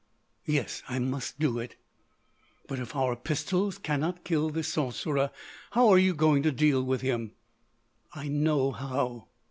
"Yes, I must do it." "But—if our pistols cannot kill this sorcerer, how are you going to deal with him?" "I know how."